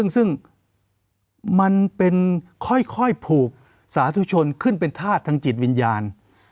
ซึ่งมันเป็นค่อยผูกสาธุชนขึ้นเป็นธาตุทางจิตวิญญาณ